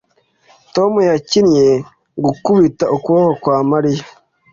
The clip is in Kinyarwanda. Tom yakinnye gukubita ukuboko kwa Mariya